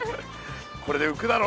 これでうくだろ。